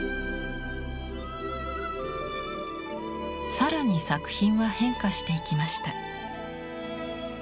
更に作品は変化していきました。